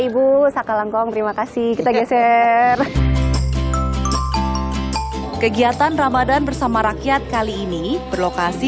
ibu saka langkong terima kasih kita geser kegiatan ramadan bersama rakyat kali ini berlokasi